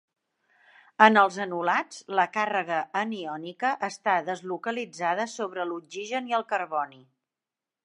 En els enolats, la càrrega aniònica està deslocalitzada sobre l'oxigen i el carboni.